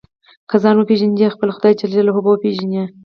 که ځان وپېژنې خپل خدای جل جلاله به وپېژنې.